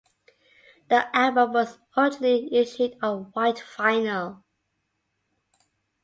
The album was originally issued on white vinyl.